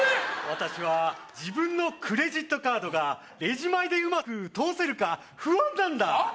私は自分のクレジットカードがレジ前でうまく通せるか不安なんだはっ？